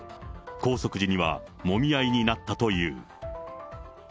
拘束時にはもみ合いになったという。